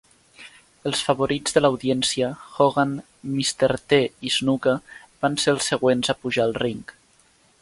Els favorits de l'audiència, Hogan, Mr. T. i Snuka, van ser els següents a pujar al ring.